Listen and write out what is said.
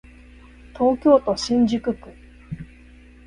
東京都新宿区